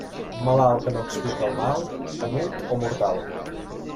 Malalt que no explica el mal, o mut o mortal.